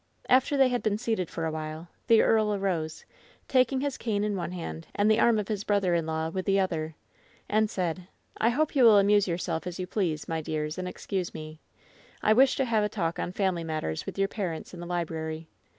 After they had been seated for a while, the earl arose, taking his cane in one hand and the arm of his brother in law with the other, and said : "I hope you will amuse yourselves as you please, my dears, and excuse me: I wish to have a talk on family matters with your parents in the library.